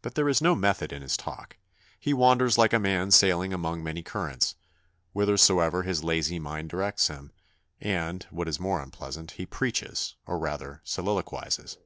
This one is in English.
But there is no method in his talk; he wanders like a man sailing among many currents, whithersoever his lazy mind directs him; and, what is more unpleasant, he preaches, or rather soliloquises.